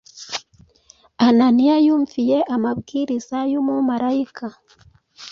Ananiya yumviye amabwiriza y’umumarayika